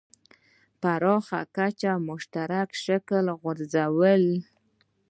پراخه کچه مشترک شکل غورځولی.